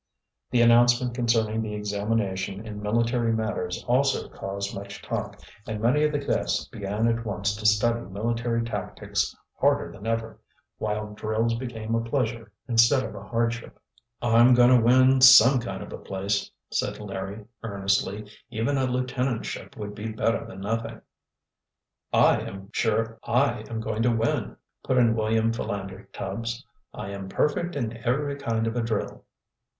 The announcement concerning the examination in military matters also caused much talk, and many of the cadets began at once to study military tactics harder than ever, while drills became a pleasure instead of a hardship. "I'm going to win some kind of a place," said Larry earnestly. "Even a lieutenantship would be better than nothing." "I am sure I am going to win," put in William Philander Tubbs. "I am perfect in every kind of a drill."